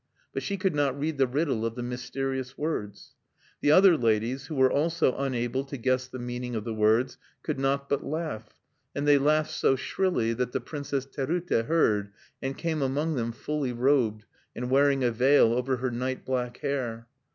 But she could not read the riddle of the mysterious words. The other ladies, who were also unable to guess the meaning of the words, could not but laugh; and they laughed so shrilly that the Princess Terute heard, and came among them, fully robed, and wearing a veil over her night black hair.